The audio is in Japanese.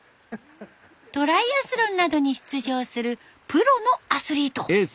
トライアスロンなどに出場するプロのアスリート。